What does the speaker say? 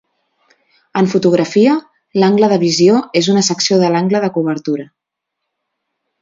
En fotografia, l'angle de visió és una secció de l'angle de cobertura.